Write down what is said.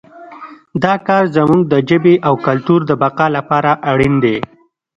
دا کار زموږ د ژبې او کلتور د بقا لپاره اړین دی